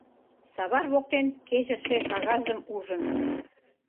Савар воктен кечыше кагазым ужын